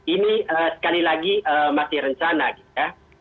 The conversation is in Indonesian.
ini sekali lagi masih rencana gitu ya